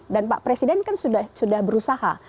dan pak presiden kan sudah berusaha